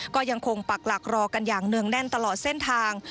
ก็ยังคงปักหลักรอกันอย่างเนื่องแน่นตลอดเส้นทาง